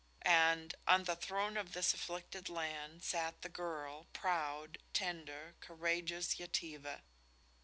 And, on the throne of this afflicted land sat the girl, proud, tender, courageous Yetive.